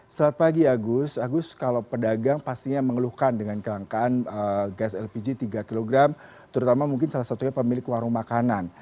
selamat pagi agus agus kalau pedagang pastinya mengeluhkan dengan kelangkaan gas lpg tiga kg terutama mungkin salah satunya pemilik warung makanan